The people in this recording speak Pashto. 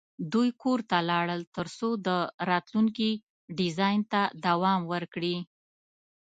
دوی کور ته لاړل ترڅو د راتلونکي ډیزاین ته دوام ورکړي